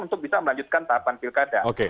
untuk bisa melanjutkan tahapan pilkada